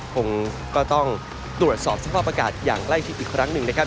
คงก็ต้องตรวจสอบสภาพอากาศอย่างใกล้ชิดอีกครั้งหนึ่งนะครับ